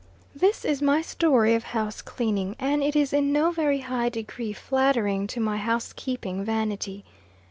This is my story of house cleaning, and it is in no very high degree flattering to my housekeeping vanity.